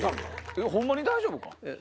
ホンマに大丈夫か？